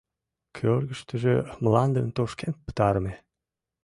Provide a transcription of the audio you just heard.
Кӧргыштыжӧ мландым тошкен пытарыме.